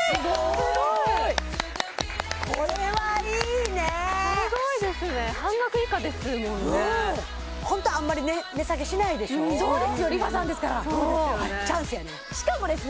すごいこれはいいねすごいですね半額以下ですもんねホントあんまり値下げしないでしょそうですよＲｅＦａさんですからしかもですね